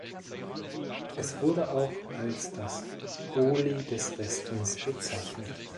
Es wurde auch als das „Holi des Westens“ bezeichnet.